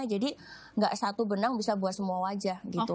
jadi nggak satu benang bisa buat semua wajah gitu